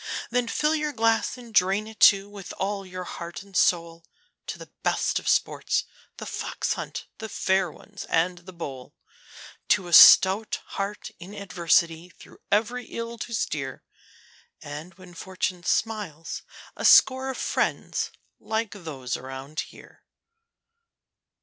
Then fill your glass, and drain it, too, with all your heart and soul, To the best of sports The Fox hunt, The Fair Ones, and The Bowl, To a stout heart in adversity through every ill to steer, And when Fortune smiles a score of friends like those around us here.